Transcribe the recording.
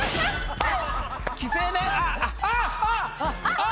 あっ！